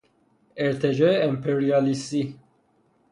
ارتجاع امپریالیستی